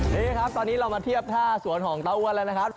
นี่ครับตอนนี้เรามาเทียบท่าสวนของเตาอ้วนแล้วนะครับ